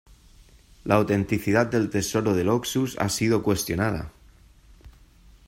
La autenticidad del tesoro del Oxus ha sido cuestionada.